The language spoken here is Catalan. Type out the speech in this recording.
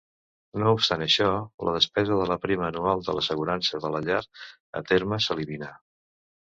No obstant això, la despesa de la prima anual de l'assegurança de la llar a terme s'elimina.